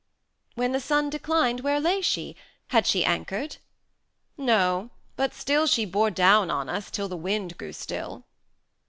"When the Sun declined Where lay she? had she anchored?" "No, but still 510 She bore down on us, till the wind grew still."